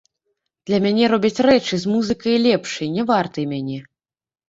Для мяне робяць рэчы, з музыкай лепшай, не вартай мяне.